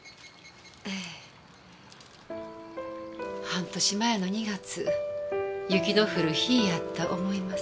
半年前の２月雪の降る日やった思います。